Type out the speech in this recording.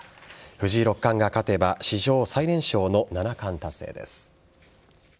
藤井六冠が勝てば史上最年少の七冠達成です。